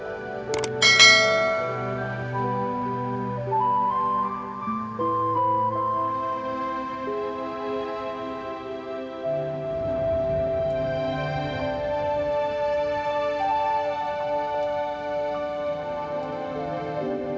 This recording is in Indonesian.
saya melakukannya hut hut menteri